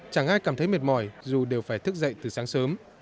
chẳng ai cảm thấy mệt mỏi dù đều phải thức dậy từ sáng sớm